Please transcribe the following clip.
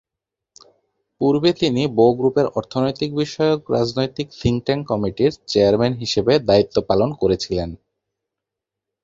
পূর্বে তিনি বো গ্রুপের অর্থনৈতিক বিষয়ক রাজনৈতিক থিঙ্ক-ট্যাঙ্ক কমিটির চেয়ারম্যান হিসাবে দায়িত্ব পালন করেছিলেন।